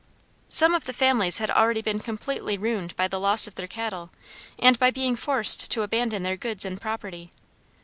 Some of the families had already been completely ruined by the loss of their cattle and by being forced to abandon their goods and property.